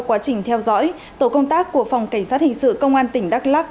quá trình theo dõi tổ công tác của phòng kỳ sát hình sự công an tỉnh đắk lắk